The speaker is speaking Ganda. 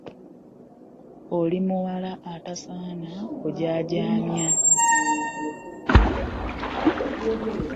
Oli muwala atasaana kujaajaamya.